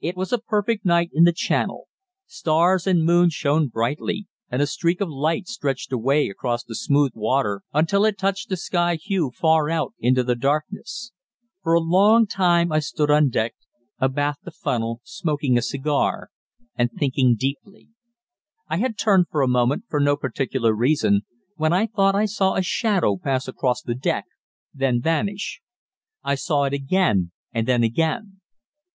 It was a perfect night in the Channel. Stars and moon shone brightly, and a streak of light stretched away across the smooth water until it touched the sky Hue far out in the darkness. For a long time I stood on deck, abaft the funnel, smoking a cigar, and thinking deeply. I had turned for a moment, for no particular reason, when I thought I saw a shadow pass across the deck, then vanish. I saw it again; and then again.